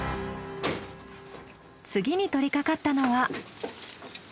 次に取り掛かったのは。